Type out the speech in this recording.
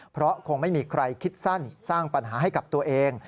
เพราะคงไม่มีใครคิดสั้นสร้างปัญหาให้กับตัวเอง